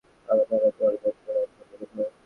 আমার ধারণা তোমার মন পড়ে আছে অন্য কোথাও।